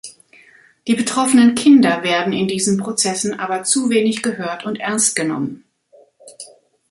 Die betroffenen Kinder werden in diesen Prozessen aber zu wenig gehört und ernstgenommen.